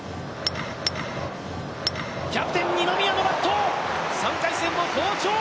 キャプテン二宮のバット、３回戦も好調！